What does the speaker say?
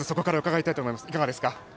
いかがですか？